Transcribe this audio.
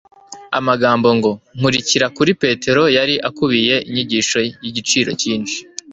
Amagambo ngo: "Nkurikira," kuri Petero yari akubiyemo inyigisho y'igiciro cyinshi.